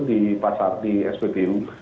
di pasar di sptu